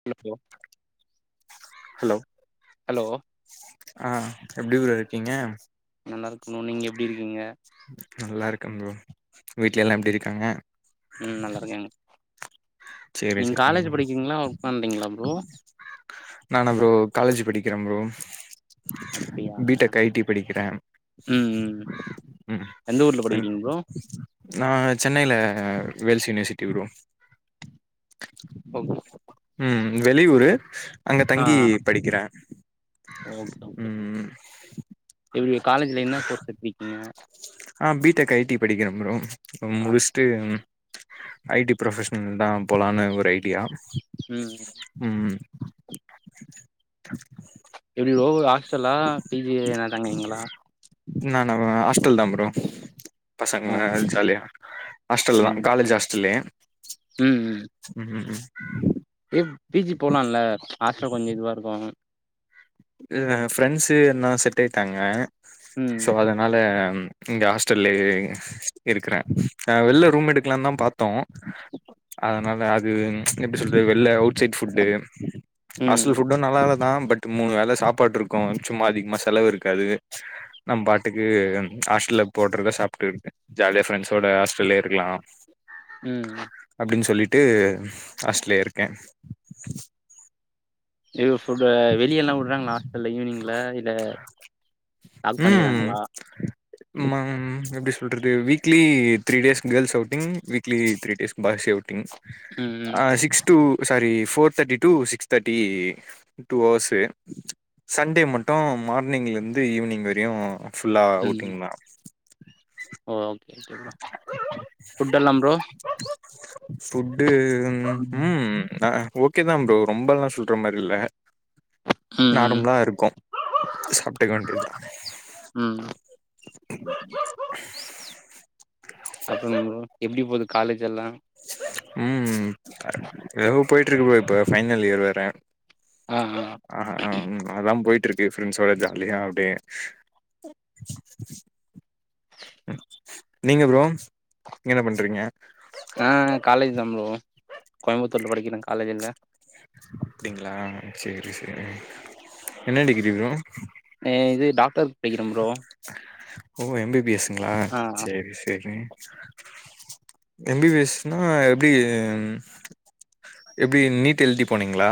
[unintelligible] Hello hello ஆஹ் எப்டி bro இருக்கீங்க நல்லா இருக்கணும் நீங்க எப்டி இருக்கீங்க நல்லா இருக்க ப்ரோ வீட்ல எல்லா எப்டி இருக்காங்க ம் நல்லா இருக்காங்க சேரி நீங்க சேரி காலேஜ் படிக்கீங்களா ஒர்க் பண்ணறீங்களா ப்ரோ நானா ப்ரோ காலேஜு படிக்கிற ப்ரோ அப்டியா பி டெக் ஐ டி படிக்கிற ம் ம் எந்த ஊர்ல ம் படிக்கறீங்க ப்ரோ நா சென்னைல வேல்ஸ் யூனிவர்சிட்டி ப்ரோ ஓ [inaudible] ம் வெளியூரு அங்க ஆ தங்கி படிக்கிற ம் ம் உங்க காலேஜ்ல என்ன கோர்ஸ் எட்த்துருக் ஆ பி டெக் ஐ டி படிக்கிற ப்ரோ அ ஆ முடிஸ்ட்டு ஐ டி ப்ரொஃபஷ்னல் தா போலான்னு ஒரு ஐடியா ம் ம் எப்டி ப்ரோ ஹாஸ்டலா பி ஜி எதுனா தங்கறீங்களா நானா ப்ரோ ஹாஸ்டல் தா ப்ரோ பசங்க ஆ ஜாலியா ஹாஸ்டல் ம் தா காலேஜ் ஹாஸ்டல்லே ம் ம் இப் பி ஜி போலால்ல ஹாஸ்டல் கொஞ்ச இதுவா இருக்கு அ ஃப்ரெண்ட்ஸு எல்லா செட்டாய்ட்டாங்க சோ ம் அதனால இங்க ஹாஸ்டல்லயே இருக்கறே ஆ வெள்ல ரூம் எடுக்கலாந்தா பாத்தோ அதனால அது எப்டி சொல்றது வெள்ல அவுட் சைட் ஃபுட்டு ம் ஹாஸ்டல் ஃபுட்டு நல்லால தா பட்டு மூணு வேள சாப்பாடுருக்கு சும்மா அதிகமா செலவு இருக்காது நம் பாட்டுக்கு ஹாஸ்டல்ல போட்றதா சாப்ட்டு இருக்கே ஜாலியா ஃப்ரெண்ட்ஸோட ஹாஸ்டல்லே இருக்கலா ம் அப்டின் சொல்லிட்டு ஹாஸ்டல்லே இருக்கே இது ஃபுட்டு் வெளியெல்லா உட்றாங்களா ஹாஸ்டல்ல ஈவினிங்ல இல்ல லாக் ம் பண்ணிறாங்களா ம்மம் எப்டி சொல்றது weekly three days girls outing weekly three days boys outing ம் ம் ஆ சிக்ஸ் டூ சாரி ஃபோர் தேட்டி டூ சிக்ஸ் தேட்டி டூ அவர்ஸு சண்டே மட்டு மார்னிங்லிந்து ஈவினிங் வரயு ஃபுல்லா ம் அவுட்டிங் தா ஓகே ப்ரோ ஃபுட்டெல்லா ப்ரோ ஃபுட்டு ம் ம் ஆ ஆ ஓகே தா ப்ரோ ரொம்பல்லா சொல்ற மாரி இல்ல ம் நார்மலா இருக்கு சாப்ட்டுக்க வேண்டியதா ம் அப்பறோ ப்ரோ எப்டி போது காலேஜ் எல்லா ம் எதோ போய்ட்ருக்கு ப்ரோ இப்ப ஃபைனல் இயர் வேற ஆ ஆ அதா போய்ட்ருக்கு ஃப்ரெண்ட்ஸோட ஜாலியா அப்டே நீங்க ப்ரோ நீங்க என்ன பண்றீங்க நா காலேஜ் தா ப்ரோ கோய்ம்புத்தூர்ல படிக்கிற காலேஜுல அப்டிங்ளா சேரி சேரி என்ன டிகிரி ப்ரோ அ இது டாக்டர்க் படிக்கிற ப்ரோ ஓ எம் பி பி எஸ் ங்ளா ஆ சேரி செரி எம் பி பி எஸ் னா எப்டி எப்டி நீட் எள்தி போனீங்களா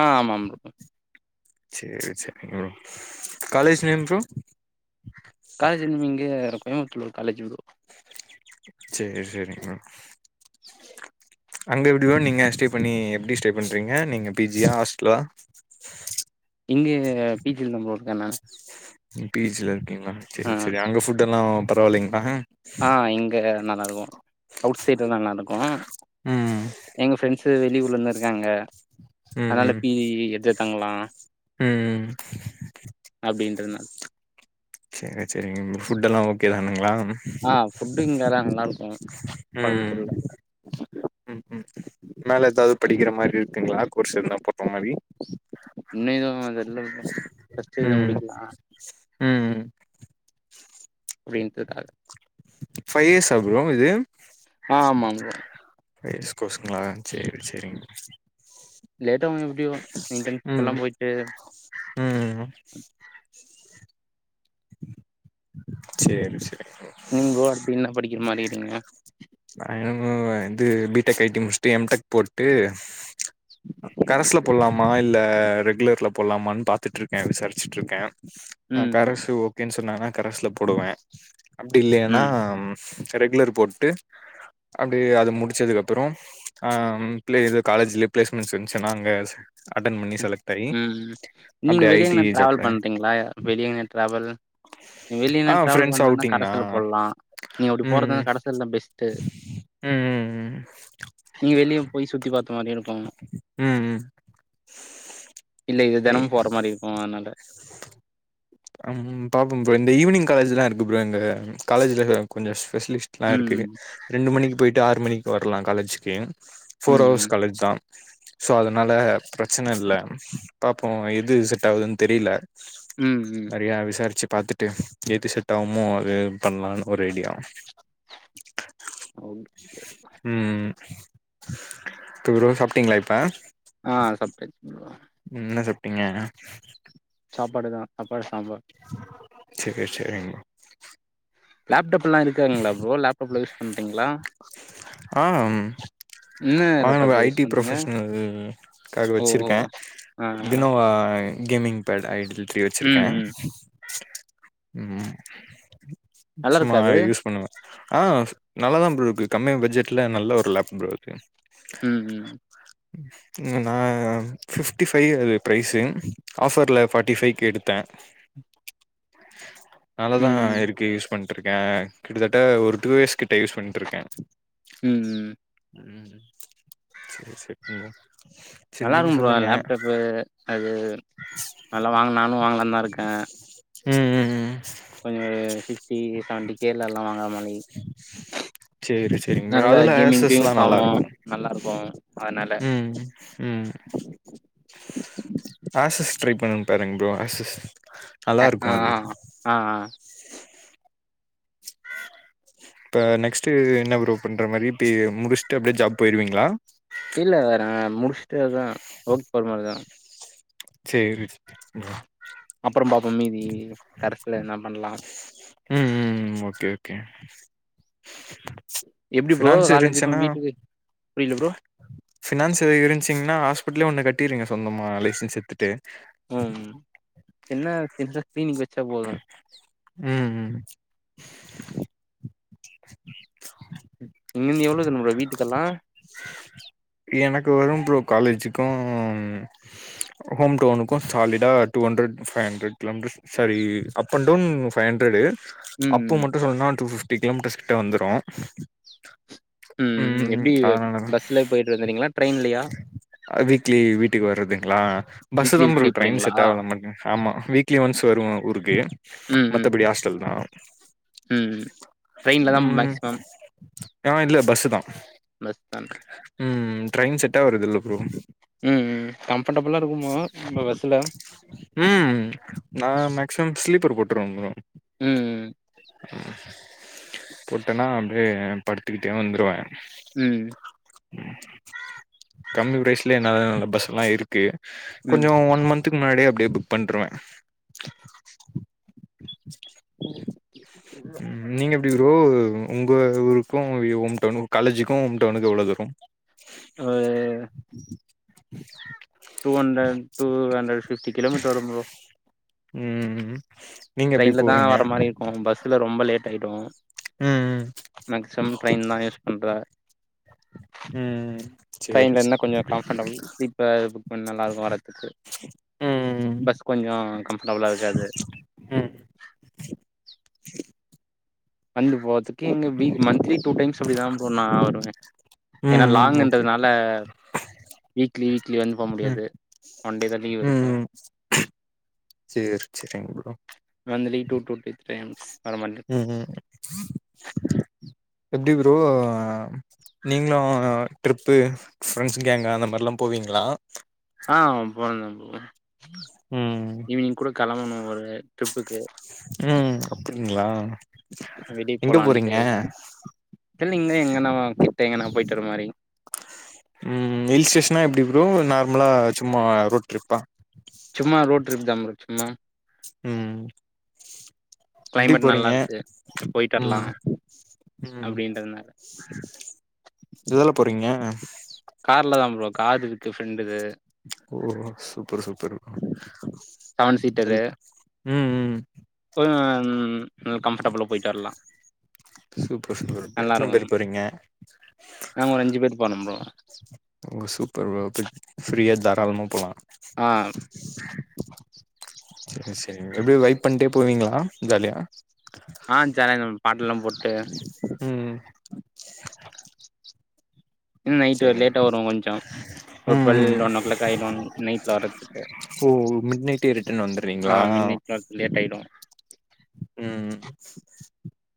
ஆ ஆமாம் சரி சரி காலேஜ் நேம் ப்ரோ காலேஜ் இங்க கோயம்பத்தூர்ல ஒரு காலேஜ் வ சரி சரி ப்ரோ அங்க எப்டிவ நீங்க ஸ்டே பண்ணி எப்டி ஸ்டே பண்றீங்க நீங்க பிஜியா ஹாஸ்டலா இங்க பிஜி நம்ப இருக்கேணா பீஜில இருக்கீங்களா சரி சரி அங்க புட் எல்லா பரவாயில்லிங்களா ஆ இங்க நல்லாருக்கும் அவுட் சைட்ல நல்லாருக்கும் ம் எங்க ஃப்ரெண்ட்ஸ் இது வெளியூர்ல தா இருக்காங்க ம் அதனால ம் பீஜி எத்து தங்கலாம் ம் அப்டின்றன சரி சரிங்க புபட் எல்லாம் ஓகே தானுங்களா ஆ ஃபுட்டு இங்கல்லாம் நல்லா இருக்கும் ம் கோயம்புத்தூர்ல ம் ம் மேல ஏதாவது படிக்கற மாரி இருக்குங்களா கோர்ஸ் எதுனா பண்ற மாரி அதெல்லாம் ம் முடிக்கலாம் ம் [unintelligible] ஃபைவ் இயர்ஸா ப்ரோ இது ஆமாங் ப்ரோ ரேஸ் கோர்சுங்களா சரி சரிங்க லேட்டாகும் எப்டியும் ம் இன்டர்ன்ஷிப்லாம் போயி்ட்டு ம் சரி சரி நீங்க ப்ரோ அடுத்து என்ன படிக்கற மாரி இருங்கீங்க ஆ வந்து பி டெக் ஐடி முடிச்சட்டு எம் டெக் போட்டு கரஸ்ல போட்லாம் அ இல்ல ரெகுலர்ல போலாமனு பாத்துட்டுருக்கேன் விசாரிச்சுட்டு இருக்கேன் ம் கரசு ன்னு சொன்னன்னா கரசுல போடுவே அப்டி இல்லன்னா ம் ரெகுலர் போட்டு அப்டி அது முடிச்சதுக்கப்புறம் ஆ உள்க்குள்யே காலேஜ்ல பிளேஸ்மெண்ட்ஸ் இருந்ச்சுன்னா அங்க அட்டன் பண்ணி செலக்டாயி ம் நீங்க அப்டி வெளிய ஐடி எங்கனா டிராவல் ஜாப்ல பண்றீங்களா வெளிய எங்கனா டிராவல் வெளிய ஆ ப்ரெண்ட்ஸ் அவுட்டிங்னா நீ அப்டி போறதுதான ம் கரசுல தா பெஸ்ட் ம் ம் ம் நீங்க வெளியும் போய் சுத்தி பாத்த மாரி இருக்கும் ம் ம் இல்ல இது தெனமும் ஐ போற மாரி இருக்கும் அதனால பாபோம் ப்ரோ இந்த ஈவினங்லேஜல இருக்கு ப்ரோ எங்க காலேஜல கொஞ்ச ஸ்பெஷிஸ்ட் லாம் ம் இருக்குது ரெண்டு மணிக்கு போயி்ட்டு ஆறு மணிக்கு வரலாம் காலேஜுக்கு ஃபோர் ஹவர்ஸ் ம் காலேஜ் தா சோ அதனால பிரச்சன இல்ல பாப்போம் எது செட் ஆவுதுன்னு தெரில ம் ம் யா விசாரிச்சு பாத்தட்டு எது செட் ஆகமோ அது பண்லாம்னு ஒரு ஐடியா ஓகே ம் ம் அப்ரோ ப்ரா சாப்ட்டீங்களா இப்ப ஆ சாப்டே ம் என்ன சாப்டீங்க ஆ சாப்பாடு தா சாப்பாடு சாம்பார் செரி செரிங் ப்ரோ லேப்டாப்லா இருக்காங்ளா ப்ரோ லேப்டாப்ல யூஸ் பண்றீங்ளா ஆம் என்ன வா நம்ம லேப்டாப்ல யூஸ் ஐடி பண்றீங்க ப்ரொஃபஷனலக்காக ஓ ஓ வெச்சிருக்கே ஆ ஆ இதுனவா இன்கமிஙாகேறங் பேட் ஐடியல்டரி ம் வெச்சிருக்கே ம் நல்லாருக்கா சும்மா அது? யூஸ் பண்ணுங்க ஆ நல்லாதா ப்ரோ இருக்கு கம்மியா பட்ஜெட்ல நல்ல ஒரு லேப் ப்ரோ இருக்கு ம் ம் ம் நா பிஃப்டி ஃபைவ் அது ப்ரைஸு ஆஃபர்ல ஃபார்ட்டி ஃபைவ்கு எடுத்தே ம் நல்லதா ம் இருக்கு யூஸ் பண்ருக்கே கிட்டத்தட்ட ஒரு டூ இயர் கிட்ட யூஸ் பண்ணிட்டு இருக்கே ம் உம் உம் செரி செரி ப்ரோ சேரி நல்லா நீங்க இருக்கு ப்ரோ சொல்லுங்க லேப்டாப்பு அது நல்லா வாங்க நானு வாங்லானு தா இருக்கே ம் கொஞ்சோ ஒரு சிக்ஸ்டி சவன்டி கேல்லல்லா வாங்குற மாரி சேரி சேரிங் ப்ரோ நல்லா அதுல கேமிங்கு ஆசஸ்லா யூஸ் ஆவு நல்லாருக்கு நல்லா இருக்கு அதனால உம் ஆசஸ் ட்ரை பன்னங் பாருங்க ப்ரோ ஆசஸ் நல்லா ஆ இருக்கும் அது ஆ இப்ப நெக்ஸ்டு என்ன ப்ரோ பண்ற மாரி இப்ப முடிச்சுட்டு அப்டியே ஜப் போயிருவீங்ளா இல்ல நா முடிச்சுட்டு அதா ஓர்க் போற மாரிதா செரி ப்ரோ அப்றோ பாப்போ மீதி கரஸ்ல என்ன பண்லா ம் ம் ம் ஓகே ஓகே எப்டி ப்ரோ ஃபினான்ஸ் காலேஜ்க்கு வீட்டுக்கு பினான்ஸ் எது இருச்சிங்ன்னா ஹாஸ்பிட்லே ஒண்ண கட்டிறுங்க சொந்தமா லைசன்ஸ் எத்துட்டு ம் என்ன பெர்சா கிளீனிக் வெச்சா போது உம் உம் இங்கந்து எவ்ளோ தூரோ வீட்டுக்கெல்லா எனக்கு வரு ப்ரோ காலேஜுக்கு ஹாம் டவுனுக்கு சாலிடா two hundred five hundred kilometres சரி up and down five hundred up to ம். மட்டு சொல்ன்னா டூ ஃப்ட்டி கிலோமீட்டர்ஸ் கிட்ட வந்துரு ம் ம் எப்டி பஸ்ல போயிட்டு வந்துருவிங்ளா ட்ரெயின்லயா அ வீக்லி வீட்டுக்கு வறதுக்ளா வீக்லி பஸ்சுதா ப்ரோ வீக்லி ட்ரெயின் போறீங்களா? சட்டால்ல நமக்கு ஆமா வீக்லி ஒன்ஸ் வருவ ஊருக்கு ம். ம். மத்தபடி ஹாஸ்டல் தா ம் ட்ரெய்ன்ல தா ம் மேக்சிமம் ஆ இல்ல பஸ்சு இந்த தா [unintelligible] ம் ம் ட்ரெயின் செட்டாவரதுல்ல ப்ரோ ம் ம் கம்ஃபடபுளா இருக்குமா நம்ம பஸ்ஸுல ம் நா மக்சிமம் ஸ்லீப்பர் போட்ருவ ம் போட்டனா அப்டியே படுத்துக்கிட்டே வந்துருவே ம் கம்மி ப்ரைஸ்லயே நல்ல நல்ல பஸ்ல்லா இருக்கு ம். கொஞ்சோ ஒன் மந்த் துக்கு முன்னாடியே அப்டியே புக் பண்றுவே [inaudible] ம் நீங்க எப்டி ப்ரோ உங்க ஊருக்கு ஹோம்டவுனு காலேஜுக்கு ஹோம் டவுனுக்கு எவ்ளோ தூரோ ஆ [inaudible] two hundred two hundred fifty kilo metre வரு ப்ரோ ம் நீங்க எப்டி ட்ரெயின்ல தா போவீங்க வர மாரி இருக்கு பஸ்ல ரொம்ப லேட் ஆய்டு ம் ம் மக்சிமம் ட்ரெயின் தா யூஸ் பண்ற ம் சேரி ட்ரெய்ன்ல யேர்ன்னா சேரி கொஞ்சோ கம்பர்டபுள் ஃப்ரீ இது புக் பண்ணி நல்லருக்கு வரதுக்கு ம் பஸ் கொஞ்ச கம்ஃபர்டபுளா இருக்காது ம் வந்து போகதுக்கு எங்க வீக் மந்த்லி டூ டைம்ஸ் அப்படிதா போ நா வருவே ம் ஏன்னா ம் ஓகே லாங்ன்றதுனால வீக்லி வீக்லி வந்து போக முடியாது ஒன் டே தா லீவ் இருக்கு சரி சரிங்க monthly two two two times வர மாரி இருக்கு. ம் ம் எப்டி ப்ரோ நீங்களு ட்ரிப்பு ஃரெண்ட்ஸ் கேங்க அந்த மாரில்லா போவீங்களா ஆ போனே ப்ரோ ம் ஈவினிங் கூட கெளம்பணு ஒரு ட்ரிப்புக்கு ம் அப்டிங்களா எங்க போறீங்க திலி நீங்க எங்கனா கூப்பிட்டீங்கனா போயிட்டுரு மாரி ம் ஹில் ஸ்டேஷனா எப்படி ப்ரோ நார்மலா சும்மா ரோட் ட்ரிப்பா சும்மா ரோட் ட்ரிப் தா ப்ரோ சும்மா ம் எப்டி கிளைமேட் நல்லா போறீங்க இருக்கு சரி போயிட்டு வரலா ம் ம் அப்டின்றதுனால எதுல போறீங்க கார்லதா ப்ரோ காது இருக்கு ஃரெண்டுக்கு ஓ சூப்பர் சூப்பர் செவன் சீட்டரு ம் ம் ம் ம் கம்ஃபர்ட்டபுளா போயிட்டு வரலா சூப்பர் சூப்பர் நல்லா எத்தன இருக்கு பேரு போறீங்க நாங்க ஒரு அஞ்சு பேர் போனோ ப்ரோ ஓ சூப்பர்வப்ப ஃபிரீயா தாராளமா போலா ஆ சரி சரி எப்டி வைப் பண்ட்டே போவீங்களா ஜாலியா ஆ சேந்த பாட்டுல்லா போட்டு ம் இன்ன நைட் ஒரு சரிங்க லேட்டா வருவே கொஞ்சம் ஒரு ம் ம் டுவெல் ஒன் ஓ கிளாக் ஆயிடும் நைட்ல அரச்சட்டு ஓ மிட் நைட்டே ரிட்டன் வந்துருவீங்களா ஆ ம் நைட் லேட் ஆயிடும் ம்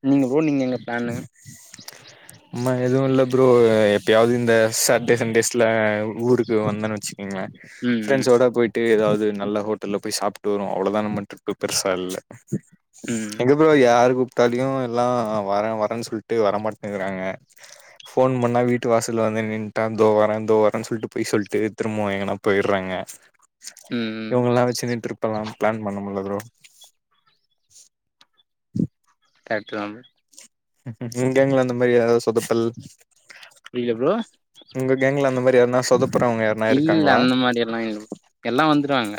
நீங்க போனிங்கல்ல ஆமா எதுவும் இல்ல ப்ரோ எப்பயாவது இந்த சாட்டர்டே சண்டேஸ்ல ஊருக்கு வந்தேன்னு வச்சுக்கீங்களன் ம் ம் ஃப்ரண்ஸோட போயிட் ஏதாவது நல்ல ஹோட்டல்ல போய் சாப்ட்டு வரும் அவ்ளோதான் நம்ம பெருசா இல்ல ம் எங்க அப்றோ யாரு கூப்பிட்டாலும் எல்லாம் வர வரேன்னு சொல்லிட்டு வர மாட்டுக்கறாங்க போன் பண்ணா வீட்டு வாசல்ல வந்து நின்னுட்டு இதோ வரே இதோ வரேனு சொல்லிட்டு போய் சொல்லிட்டு திரும்போவும் எங்கன்னா போயிடுறாங்க [unintelligible] ம் இவங்க எல்லாம் வச்சுன்னு ட்ரிப் எல்லாம் பிளான் பண்ண முடியாது கரெக்ட் தா இங்க எங்க அந்த மாதிரி எதாவுது சொதப்பல் புரில ப்ரோ உங்க கேங்ல அந்த மாதிரியாருனா சொதப்புறவங்க யாருனா இருக்காங்ளா அப்டி லா இல்ல ப்ரோ எல்லா வந்துருவாங்க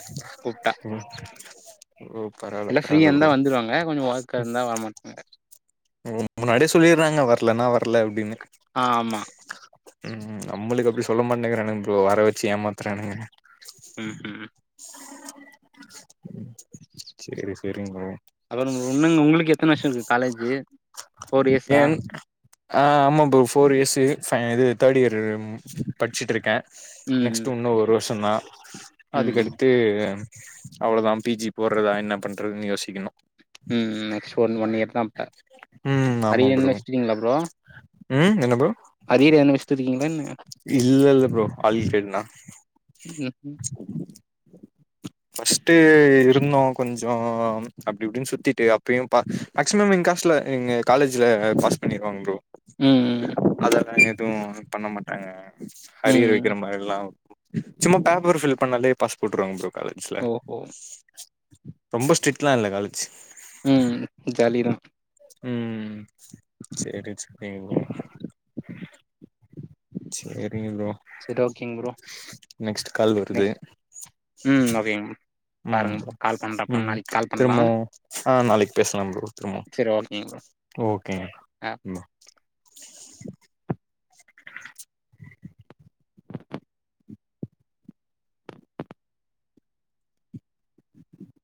கூப்ட்டா ஓ பர எல்லாம் ஃப்ரீயா இருந்தா வந்துருவாங்க கொஞ்சோ வொர்கா இருந்தா வரமாட்டங்க முன்னாடியே சொல்லிர்றாங்க வரலனா வரல அப்டின்னு ஆ ஆமா ம் நம்மளுக்கு அப்டி சொல்ல மாட்டேங்கிறானு இ வர வச்சு ஏமாத்துறானுங்க ம் ம் சேரி சேரிங்க அப்றோ ஒன்னுங்க உங்களுக்கு எத்தனை வருஷம் இருக்கு காலேஜ்ஜு ஏன் ஆ ஆமா ப்ரோ ஃபோர் இயர்ஸ் பைன் இது தேர்ட் இயர் படிச்சட்டுருக்கேன். ம் ம் நெக்ஸ்ட் இன்னும் ஒரு வருஷம் தான் ம் அதுக்கடுத்து அவ்ளோதான் பி ஜி போடுறதா என்ன பண்றதுன்னு யோசிக்கணும் ம் ம் நெக்ஸ்ட் ஒன் ஒன் இயர் தான்ப்ப ம் ஆமா ப்ரோ ம் என்ன ப்ரோ அரியர் என்ன வச்சுடு இருக்கீங்களா என்ன இல்லல்ல ப்ரோ ஆல் கிலியர்ன்னா ம் ம் பஃஸ்ட்டு இருந்தோம் கொஞ்சம் அப்டி இப்டின்னு சுத்திட்டு அப்பயும் பா மேக்சிமம் எங்க காஸ்ட்ல எங்க காலேஜ்ல பாஸ் பண்ணிருவாங்க ப்ரோ ம், ம், அதெல்லாம் எதுவும் பண்ண மாட்டாங்க அரியர் ம். வைக்கிற மாதிரில்லாம். சும்மா பேப்பர் ஃபில் பண்ணாலே பாஸ் போட்டுருவாங்க ப்ரோ காலேஜ்ல ஓஹோ! ரொம்ப ஸ்ட்ரிக்ட்லாம் இல்ல காலேஜ் ம். ஜாலி தா ம் ம் சேரி சேரி சேரிங்க ப்ரோ சரி ஓகேங்க ப்ரோ. நெக்ஸ்ட் கால் வருது நெக்ஸ்ட் ம் ஓகேங்க. ம். பாருங்க ப்ரோ. கால் பண்றேன் அப்புறம் ம்.. நாளைக்கு கால் பண்ணலாம். திரும்பவு ஆ நாளைக்கு பேசலாம் ப்ரோ திரும்ப சரி ஓகேங்க ப்ரோ. ஓகே ஆ. [unintelligible]